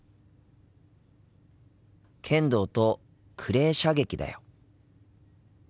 剣道とクレー射撃だよ。